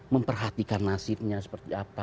memperhatikan nasibnya seperti apa